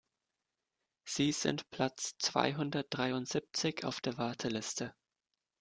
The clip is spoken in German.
Sie sind Platz zweihundertdreiundsiebzig auf der Warteliste.